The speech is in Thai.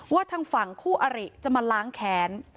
ทางฝั่งคู่อริจะมาล้างแค้น